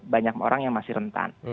banyak orang yang masih rentan